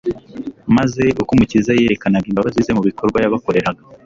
maze uko Umukiza yerekanaga imbabazi ze mu bikorwa yabakoreraga